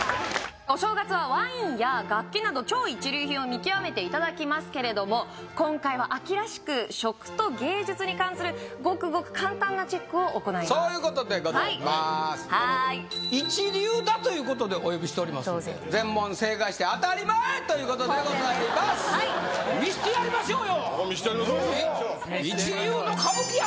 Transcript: お正月はワインや楽器など超一流品を見極めていただきますけれども今回は秋らしく食と芸術に関するごくごく簡単なチェックを行いますそういうことでございまーすはーい一流だということでお呼びしておりますので全問正解して当たり前ということでございます見してやりましょう！